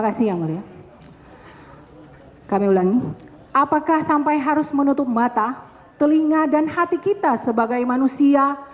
kasih yang mulia kami ulangi apakah sampai harus menutup mata telinga dan hati kita sebagai manusia